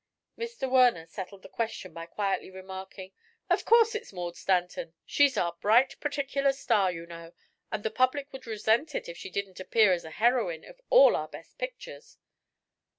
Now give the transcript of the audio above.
Mr. Werner settled the question by quietly remarking: "Of course it's Maud Stanton. She's our bright, particular star, you know, and the public would resent it if she didn't appear as the heroine of all our best pictures."